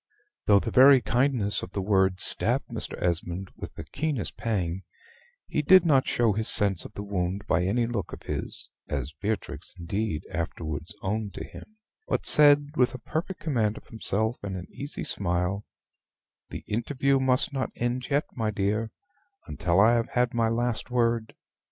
Though the very kindness of the words stabbed Mr. Esmond with the keenest pang, he did not show his sense of the wound by any look of his (as Beatrix, indeed, afterwards owned to him), but said, with a perfect command of himself and an easy smile, "The interview must not end yet, my dear, until I have had my last word.